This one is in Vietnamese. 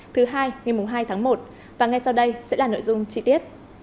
thứ hai ngày hai tháng một và ngay sau đây sẽ là nội dung chi tiết